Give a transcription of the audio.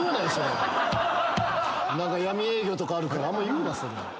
闇営業とかあるからあんま言うな。